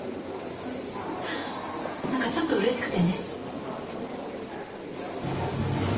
なんかちょっと嬉しくてね。